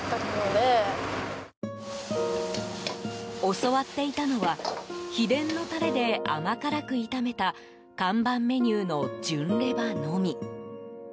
教わっていたのは秘伝のタレで甘辛く炒めた看板メニューの純レバのみ。